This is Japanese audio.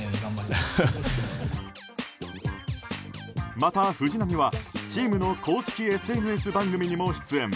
また、藤浪はチームの公式ＳＮＳ番組にも出演。